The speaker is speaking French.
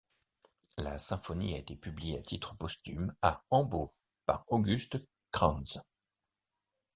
La symphonie a été publiée à titre posthume à Hambourg par August Cranz.